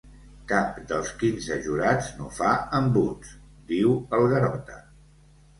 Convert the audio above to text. Cap dels quinze jurats no fa embuts —diu el Garota.